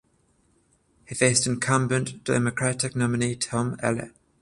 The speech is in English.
He faced incumbent Democratic nominee Tom Allen.